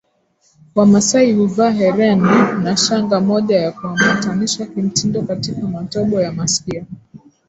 wamasai huvaa hereni na shanga moja ya kuambatanisha kimtindo katika matobo ya masikio